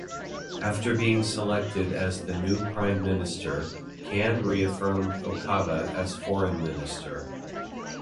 After being selected as the new prime minister, Kan reaffirmed Okada as foreign minister.